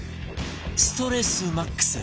ストレスマックス！